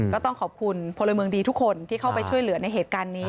ก็ต้องขอบคุณพลเมืองดีทุกคนที่เข้าไปช่วยเหลือในเหตุการณ์นี้